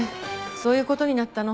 そういう事になったの。